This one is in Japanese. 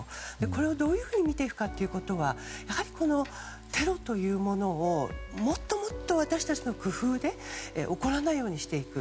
これをどういうふうに見ていくかということはやはり、テロというものをもっともっと私たちの工夫で起こらないようにしていく。